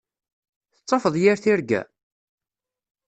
Tettafeḍ yir tirga?